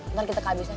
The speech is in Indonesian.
ntar kita kehabisnya